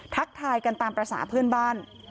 ทักทายกันตามภาษาเพื่อนบ้าน